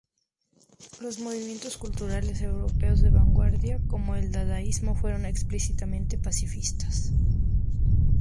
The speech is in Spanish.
Los movimientos culturales europeos de vanguardia como el dadaísmo fueron explícitamente pacifistas.